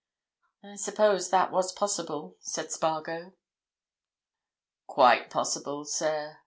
"I suppose that was possible," said Spargo. "Quite possible, sir.